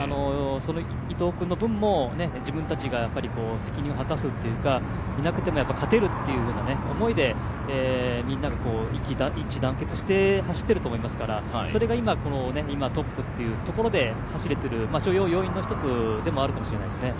伊藤君の分も自分たちが責任を果たすというか、いなくても勝てるという思いでみんなが一致団結して走っていると思いますから、それが今、トップというところで走れている要因の一つでもあるかもしれないですね。